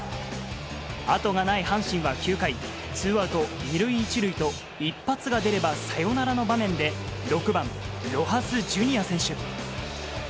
後がない阪神は９回、ツーアウト２塁１塁と、一発が出ればサヨナラの場面で、６番ロハスジュニア選手。